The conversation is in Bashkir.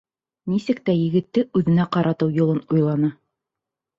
Нисек тә егетте үҙенә ҡаратыу юлын уйланы.